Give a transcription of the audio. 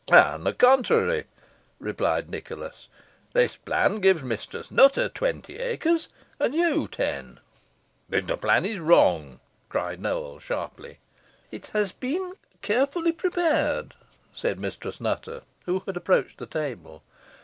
"On the contrary," replied Nicholas. "This plan gives Mistress Nutter twenty acres, and you ten." "Then the plan is wrong," cried Nowell, sharply. "It has been carefully prepared," said Mistress Nutter, who had approached the table.